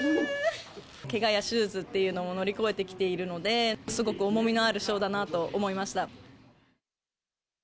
けがや手術っていうのも乗り越えてきているので、すごく重みのある賞だなと思いました。